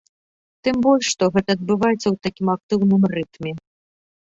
Тым больш, што гэта адбываецца ў такім актыўным рытме.